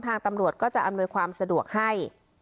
ทางตำรวจก็จะอำนวยความสะดวกให้